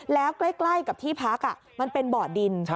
แล้วใกล้กับที่พักมันเป็นบ่อดิน